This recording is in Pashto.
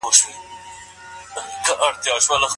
په کندهار کي د احمد شاه بابا مزار شتون لري.